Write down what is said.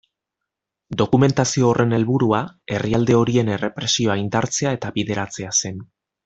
Dokumentazio horren helburua herrialde horien errepresioa indartzea eta bideratzea zen.